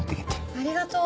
ありがとう。